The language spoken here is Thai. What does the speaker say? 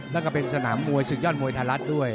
แล้วก็เป็นสนามมวยศึกยอดมวยไทยรัฐด้วย